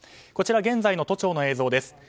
こちら、現在の都庁の映像です。